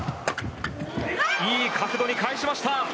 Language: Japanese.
いい角度に返しました。